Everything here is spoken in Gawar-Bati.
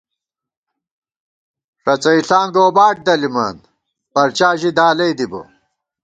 ݭڅَئیݪاں گوباٹ دلِمان ، پرچا ژِی دالَئ دِبہ